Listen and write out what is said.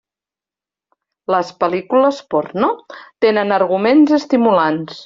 Les pel·lícules porno tenen arguments estimulants.